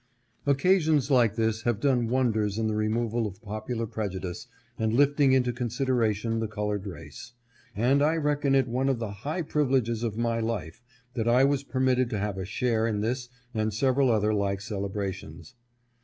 Occasions like this have done wonders in the removal of popular prejudice and lifting into consideration the colored race, and I reckon it one of the high privileges of my life that I was permitted to have a share in this and several other like celebrations.